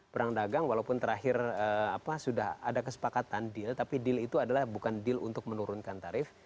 perang dagang walaupun terakhir sudah ada kesepakatan deal tapi deal itu adalah bukan deal untuk menurunkan tarif